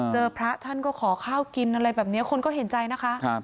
พระท่านก็ขอข้าวกินอะไรแบบนี้คนก็เห็นใจนะคะ